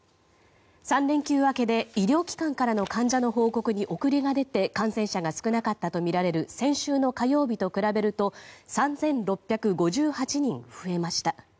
３連休明けで医療機関からの患者の報告に遅れが出て感染者が少なかったとみられる先週の火曜日と比べると３６５８人増えました。